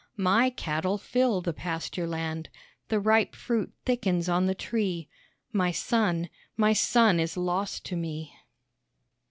My cattle fill the pasture land, The ripe fruit thickens on the tree, My son, my son is lost to me.